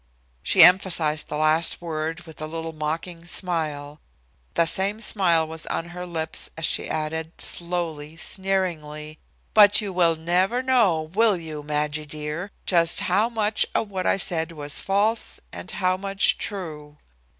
She emphasized the last word with a little mocking smile. The same smile was on her lips as she added, slowly, sneeringly: "But you will never know, will you, Madgie dear, just how much of what I said was false and how much true?"